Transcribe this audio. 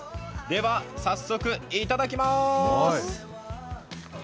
では早速、いただきます。